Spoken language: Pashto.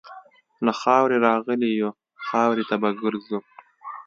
له خاورې راغلي یو، خاورې ته به ګرځو.